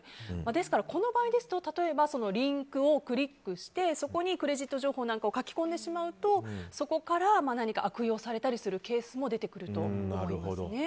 ですからこの場合ですと例えばリンクをクリックしてそこにクレジット情報なんかを書き込んでしまうとそこから何か悪用されたりするケースも出てくると思いますね。